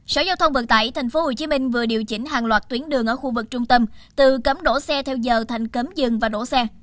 sở giao thông vận tải tp hcm vừa điều chỉnh hàng loạt tuyến đường ở khu vực trung tâm từ cấm đổ xe theo giờ thành cấm dừng và đổ xe